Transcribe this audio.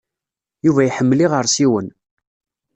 Yuba iḥemmel iɣersiwen.